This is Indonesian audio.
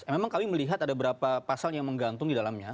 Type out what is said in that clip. memang kami melihat ada berapa pasal yang menggantung di dalamnya